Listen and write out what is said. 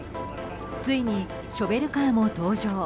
ついに、ショベルカーも登場。